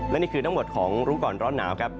และนี่คือทั้งหมดของรู้ก่อนร้อนหนาวครับ